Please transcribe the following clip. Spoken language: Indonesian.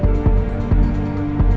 gak ada bapak lagi